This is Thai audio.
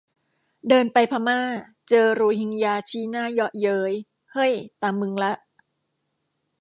เดินไปพม่า เจอโรฮิงญาชี้หน้าเยาะเย้ย เฮ่ยตามึงละ